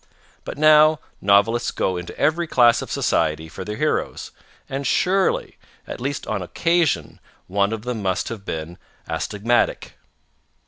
But now novelists go into every class of society for their heroes, and surely, at least an occasional one of them must have been astigmatic.